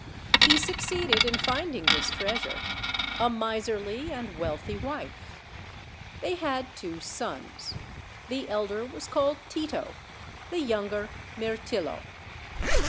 He succeeded in finding this treasure a miserly and OLD, OLD FAIRY TALES. wealthy wite. They had two sons. The elder was called Tito, the younger Mirtillo.